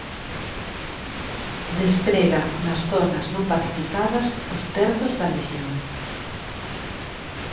Desprega nas zonas non pacificadas os Terzos da Lexión.